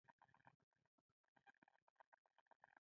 شلو کالو وروسته بله جګړه بیا پیل شوه.